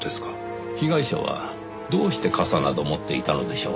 被害者はどうして傘など持っていたのでしょう？